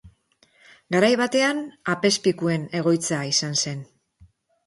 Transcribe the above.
Garai batean, apezpikuen egoitza izan zen.